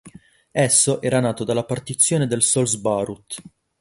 Esso era nato dalla partizione del Solms-Baruth.